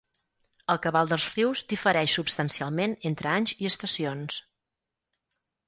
El cabal dels rius difereix substancialment entre anys i estacions.